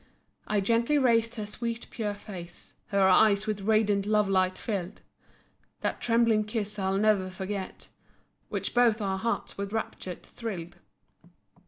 I gently raised her sweet, pure face, Her eyes with radiant love light filled. That trembling kiss I'll ne'er forget, Which both our hearts with rapture thrilled.